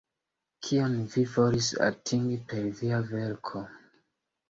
Kion vi volis atingi per via verko?